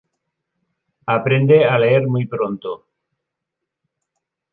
Aprende a leer muy pronto.